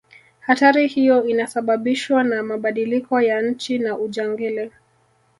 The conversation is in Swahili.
hatari hiyo inasababishwa na mabadiliko ya nchi na ujangili